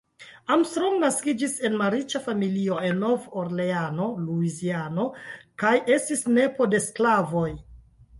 Armstrong naskiĝis en malriĉa familio en Nov-Orleano, Luiziano, kaj estis nepo de sklavoj.